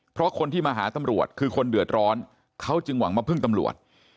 เพราะคนที่มาหาตำรวจคือคนเดือดร้อนเขาจึงหวังมาพึ่งตำรวจ